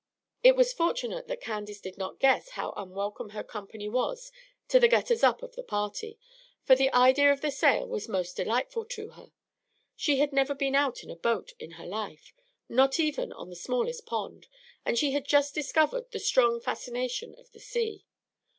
It was fortunate that Candace did not guess how unwelcome her company was to the getters up of the party, for the idea of the sail was most delightful to her. She had never been out in a boat in her life, not even on the smallest pond; and she had just discovered the strong fascination of the sea.